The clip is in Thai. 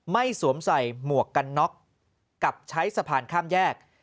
สวมใส่หมวกกันน็อกกับใช้สะพานข้ามแยก